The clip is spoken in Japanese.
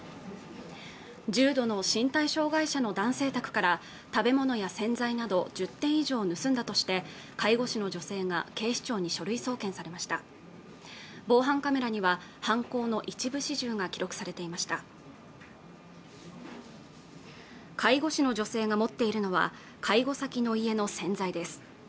重度の身体障害者の男性宅から食べ物や洗剤など１０点以上を盗んだとして介護士の女性が警視庁に書類送検されました防犯カメラには犯行の一部始終が記録されていました介護士の女性が持っているのは介護先の家の洗剤です